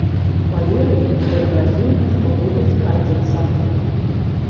Валерый прыгразіў, што будзе скардзіцца.